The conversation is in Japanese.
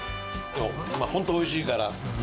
本当、おいしいから。